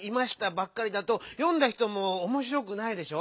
ばっかりだとよんだ人もおもしろくないでしょ。